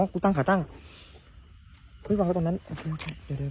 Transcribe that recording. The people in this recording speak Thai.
กูตั้งขาตั้งเฮ้ยวางไว้ตรงนั้นเดี๋ยวเดี๋ยวเดี๋ยวเดี๋ยว